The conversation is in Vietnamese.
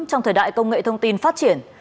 trong thời đại công nghệ thông tin phát triển